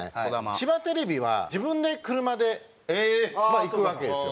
千葉テレビは自分で車で行くわけですよ